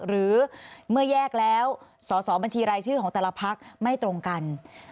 หรือเมื่อแยกแล้วสอสอบัญชีรายชื่อของแต่ละพักไม่ตรงกัน